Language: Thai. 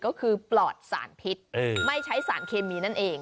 ก็คือปลอดสารพิษไม่ใช้สารเคมีนั่นเอง